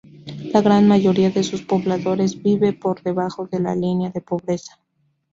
La gran mayoría de sus pobladores vive por debajo de la línea de pobreza.